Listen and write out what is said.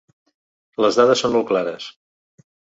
Les dades són molt clares.